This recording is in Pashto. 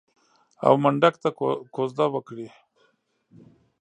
او منډک ته کوژده وکړي.